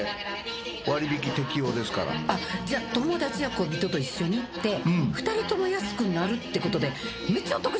じゃあ友達や恋人と一緒に行って２人とも安くなるってことでめっちゃお得じゃないですか！